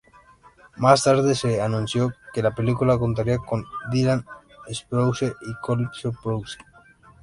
Más tarde se anunció que la película contaría con Dylan Sprouse y Cole Sprouse.